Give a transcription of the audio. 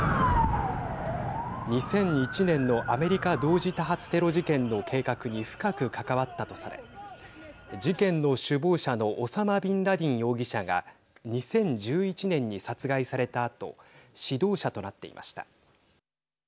２００１年のアメリカ同時多発テロ事件の計画に深く関わったとされ事件の首謀者のオサマ・ビンラディン容疑者が２０１１年に殺害されたあと指導者となっていました。